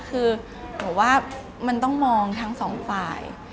คือหนูว่ามันต้องมองทั้งสองฝ่าย